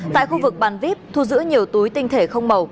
tại khu vực bàn vip thu giữ nhiều túi tinh thể không màu